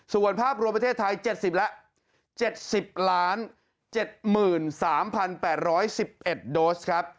ส่วนภาพรวมประเทศไทย๗๐แล้ว๗๐๗๓๘๑๑โดสครับ